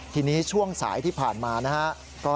ทีนี้ช่วงสายที่ผ่านมานะครับ